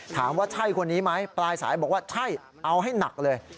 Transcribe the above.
ถามว่าใช่คนนี้ไหมปลายสายบอกว่าใช่เอาให้หนักเลย